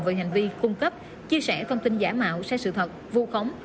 với hành vi khung cấp chia sẻ thông tin giả mạo sai sự thật vô khống